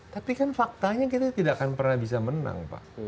tapi kan faktanya kita tidak akan pernah bisa menang pak